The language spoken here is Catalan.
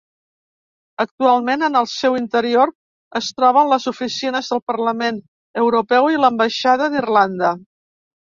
Actualment en el seu interior es troben les oficines del Parlament Europeu i l'Ambaixada d'Irlanda.